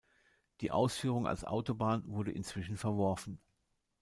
Die Ausführung als Autobahn wurde inzwischen verworfen.